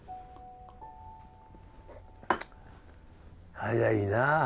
早いな。